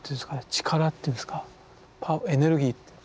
力っていうんですかエネルギー。